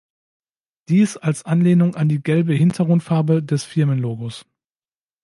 Dies als Anlehnung an die gelbe Hintergrundfarbe des Firmenlogos.